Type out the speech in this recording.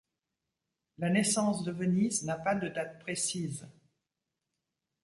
La naissance de Venise n’a pas de date précise.